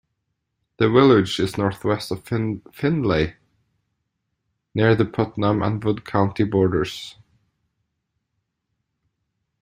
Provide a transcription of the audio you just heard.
The village is northwest of Findlay near the Putnam and Wood County borders.